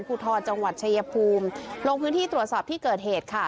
ภูทรจังหวัดชายภูมิลงพื้นที่ตรวจสอบที่เกิดเหตุค่ะ